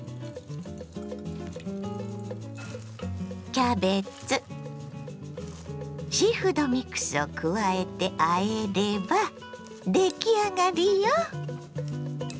キャベツシーフードミックスを加えてあえれば出来上がりよ。